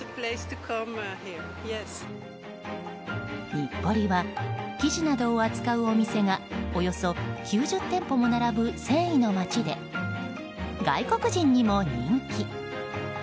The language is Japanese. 日暮里は生地などを扱うお店がおよそ９０店舗も並ぶ繊維の街で外国人にも人気。